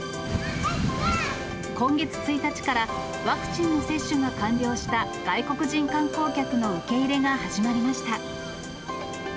今月１日からワクチンの接種が完了した外国人観光客の受け入れが始まりました。